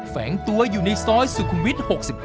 แฝงตัวอยู่ในซอยสุขุมวิทย์๖๕